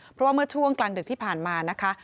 เพราะว่าเมื่อช่วงกลางดึกที่ผ่านมานะคะ